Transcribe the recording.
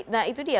nah itu dia